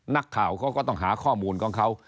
นักข่าวเขาก็ต้องหาข้อมูลของเขา